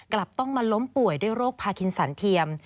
กลับต้องมาล้มป่วยด้วยโรคพาคินสันเทียม